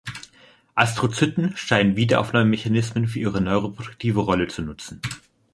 Astrozyten scheinen Wiederaufnahmemechanismen für ihre neuroprotektive Rolle zu nutzen.